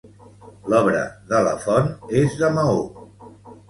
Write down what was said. L'obra de la font és de maó.